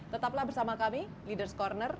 tetaplah bersama kami leaders' corner